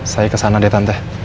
saya kesana deh tante